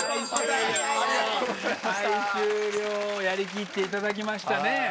やりきっていただきましたね。